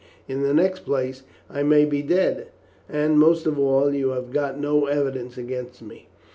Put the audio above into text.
In the next place, I may be dead; and, most of all, you have got no evidence against me.